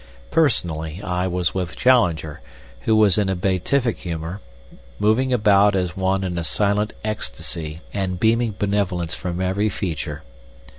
Personally, I was with Challenger, who was in a beatific humor, moving about as one in a silent ecstasy and beaming benevolence from every feature.